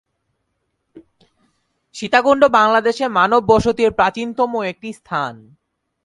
সীতাকুন্ড বাংলাদেশে মানব বসতির প্রাচীনতম একটি স্থান।